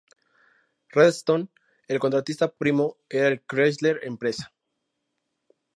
Redstone el contratista primo era el Chrysler Empresa.